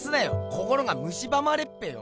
心がムシばまれっペよ。